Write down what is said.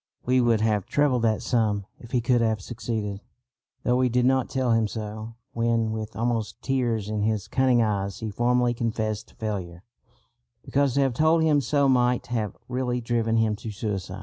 We would have trebled that sum if he could have succeeded; though we did not tell him so, when, with almost tears in his cunning eyes, he formally confessed failure, because to have told him so might have really driven him to suicide.